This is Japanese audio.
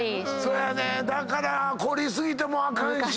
だから凝り過ぎてもあかんし。